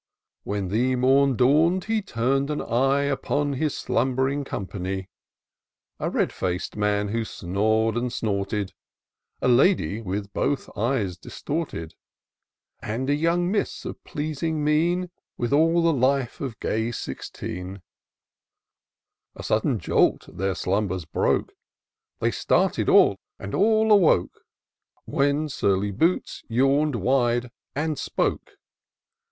When the mom dawn'd he tum'd an eye Upon his sliunb'ring company : I IN SEARCH OF THE PICTURESQUE. 265: A red fac'd man, who snor'd and snorted^ A lady, with both eyes distorted,^ And a young miss of pleasing mien^ With all the life of gay sixteen, A sudden jolt their sliunbers broke ; They started all, and all awoke ; When Surly boots yawn'd wide, and spoke.